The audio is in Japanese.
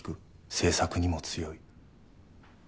政策にも強い。